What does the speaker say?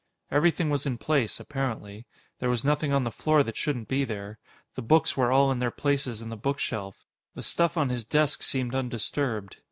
Everything was in place, apparently. There was nothing on the floor that shouldn't be there. The books were all in their places in the bookshelf. The stuff on his desk seemed undisturbed.